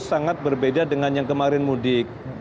sangat berbeda dengan yang kemarin mudik